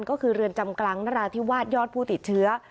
ก็คือเรือนจำกลางนราธิวาสยอดผู้ติดเชื้อ